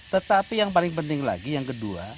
tetapi yang paling penting lagi yang kedua